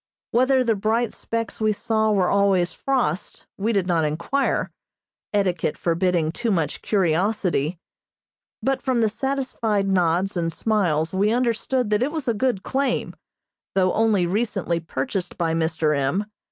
Whether the bright specks we saw were always frost, we did not enquire, etiquette forbidding too much curiosity, but from the satisfied nods and smiles we understood that it was a good claim, though only recently purchased by Mr. M.